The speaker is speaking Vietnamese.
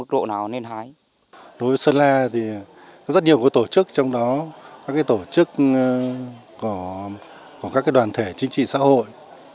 đối với sơn la thì có rất nhiều tổ chức trong đó các tổ chức của các đoàn thể chính trị xã hội